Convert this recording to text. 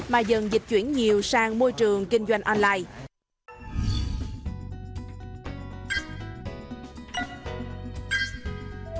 mà dần dịch chuyển nhiều sang môi trường kinh doanh online